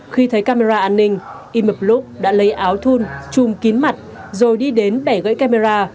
khi thấy camera an ninh y mập lúc đã lấy áo thun chùm kín mặt rồi đi đến bẻ gãy camera